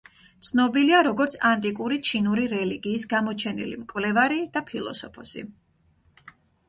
ცნობილია, როგორც ანტიკური ჩინური რელიგიის გამოჩენილი მკვლევარი და ფილოსოფოსი.